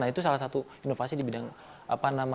nah itu salah satu inovasi di bidang apa namanya